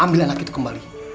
ambil anak itu kembali